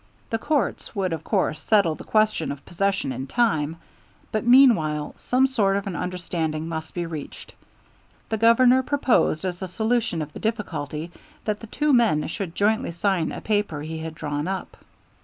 The courts would of course settle the question of possession in time, but meanwhile some sort of an understanding must be reached. The Governor proposed as a solution of the difficulty that the two men should jointly sign a paper he had drawn up.